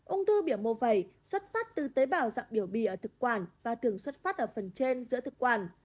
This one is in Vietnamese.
ông thư biểu mô vầy xuất phát từ tế bào dạng biểu bì ở thực quản và thường xuất phát ở phần trên giữa thực quản